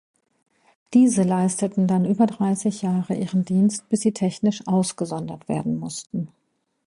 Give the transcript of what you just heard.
Diese leisteten dann über dreißig Jahre ihren Dienst, bis sie technisch ausgesondert werden mussten.